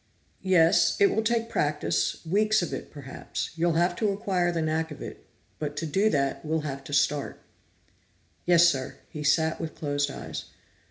"Yes. It will take practice, weeks of it, perhaps. You'll have to acquire the knack of it, but to do that, we'll have to start." "Yes, sir." He sat with closed eyes.